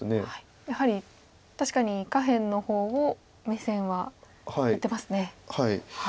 やはり確かに下辺の方を目線はいってますね。